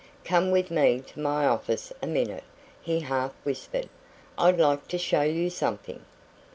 "Come with me to my office a minute," he half whispered. "I'd like to show you something."